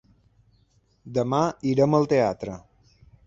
Demà irem al teatre.